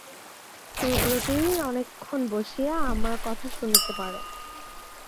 তুমি প্রতিদিন অনেকক্ষণ বসিয়া আমার কথা শুনিতে পার।